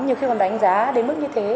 nhưng khi còn đánh giá đến mức như thế